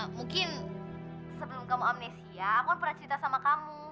mungkin sebelum kamu amnesia aku kan pernah cerita sama kamu